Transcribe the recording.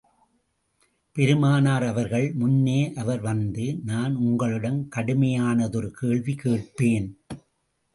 பெருமானார் அவர்கள் முன்னே அவர் வந்து, நான் உங்களிடம் கடுமையானதொரு கேள்வி கேட்பேன்.